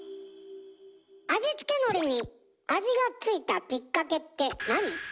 味付けのりに味が付いたきっかけってなに？